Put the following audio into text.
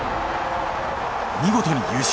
見事に優勝。